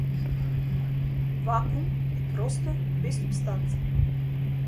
Вакуум е простор без супстанца.